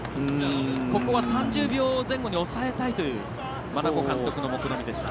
ここは３０秒前後に抑えたいという真名子監督のもくろみでした。